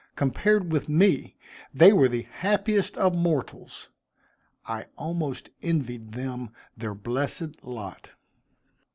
Compared with me, they were the happiest of mortals. I almost envied them their blessed lot.